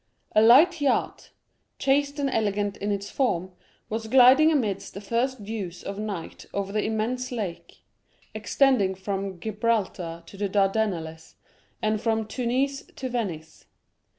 A light yacht, chaste and elegant in its form, was gliding amidst the first dews of night over the immense lake, extending from Gibraltar to the Dardanelles, and from Tunis to Venice.